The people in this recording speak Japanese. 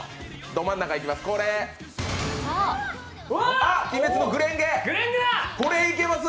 ど真ん中いきます。